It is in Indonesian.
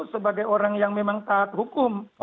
sebagai orang yang memang taat hukum